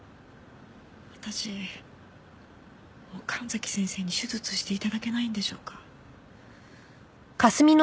私もう神崎先生に手術して頂けないんでしょうか？